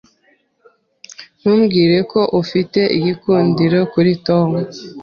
Ntumbwire ko ufite igikundiro kuri Tom.